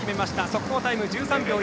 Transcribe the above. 速報タイム１３秒１６。